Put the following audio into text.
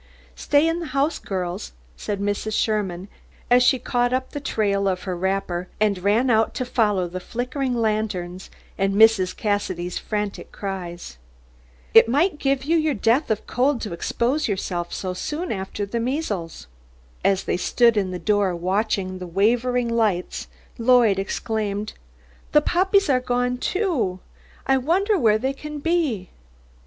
"Stay in the house, girls," said Mrs. Sherman, as she caught up the trail of her wrapper, and ran out to follow the flickering lanterns and Mrs. Cassidy's frantic cries. "It might give you your death of cold to expose yourselves so soon after the measles." As they stood in the door watching the wavering lights, Lloyd exclaimed, "The puppies are gone, too. I wonder where they can be.